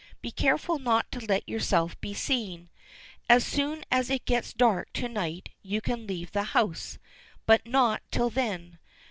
Be careful not to let yourself be seen. As soon as it gets dark to night you can leave the house, but not till then.